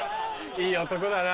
いい男だな。